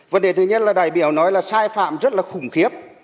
vấn đề thứ nhất là đại biểu nói là sai phạm rất là khủng khiếp